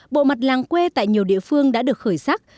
bộ mặt làng quê tại nhiều địa phương đã được khởi sắc